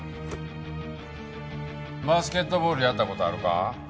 バスケットボールやった事あるか？